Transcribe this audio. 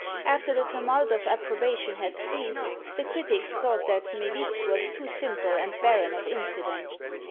After the tumult of approbation had ceased, the critics thought that Mélite was too simple and barren of incident.